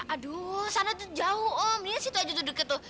aduh sana tuh jauh oh melihat situ aja tuh deket tuh